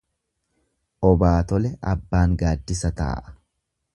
Obaa tole abbaan gaaddisa taa'a.